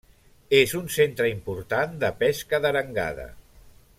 És un centre important de pesca d'arengada.